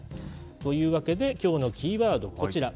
というわけで、きょうのキーワード、こちら。